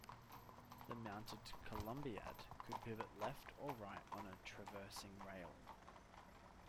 The mounted columbiad could pivot left or right on a traversing rail.